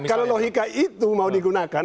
kalau logika itu mau digunakan